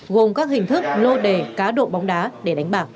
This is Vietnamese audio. gồm các hình thức lô đề cá độ bóng đá để đánh bạc